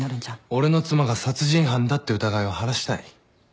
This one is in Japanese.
俺の妻が殺人犯だって疑いを晴らしたい。